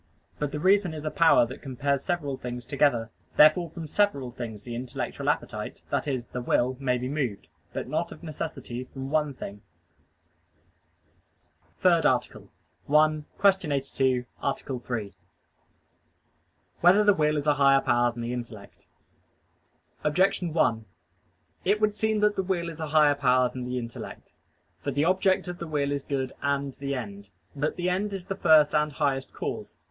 But the reason is a power that compares several things together: therefore from several things the intellectual appetite that is, the will may be moved; but not of necessity from one thing. _______________________ THIRD ARTICLE [I, Q. 82, Art. 3] Whether the Will Is a Higher Power Than the Intellect? Objection 1: It would seem that the will is a higher power than the intellect. For the object of the will is good and the end. But the end is the first and highest cause.